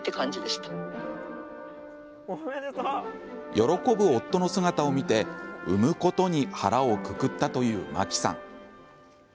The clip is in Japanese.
喜ぶ夫の姿を見て、産むことに腹をくくったというマキさん。